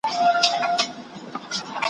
خو چي دواړي هیلۍ سوې هواته پورته ,